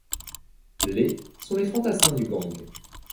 Les sont les fantassins du gang.